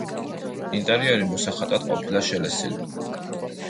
ინტერიერი მოსახატად ყოფილა შელესილი.